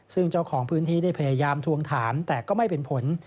ซึ่งเจ้าของพื้นที่ได้พยายามทวงถามแต่ก็ไม่เป็นผล